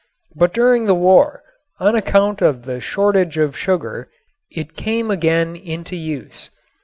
But during the war, on account of the shortage of sugar, it came again into use.